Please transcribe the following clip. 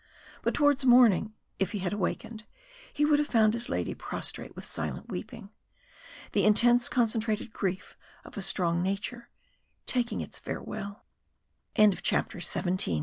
But towards morning, if he had awakened, he would have found his lady prostrate with silent weeping. The intense concentrated grief of a strong nature taking its farewell. CHAPTER XVIII Now this T